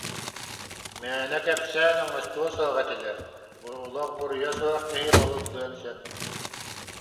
Мээнэ кэпсээн оҥостуо суох этилэр, олох буруйа суох киһи балыллыан сөп